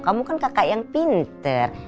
kamu kan kakak yang pinter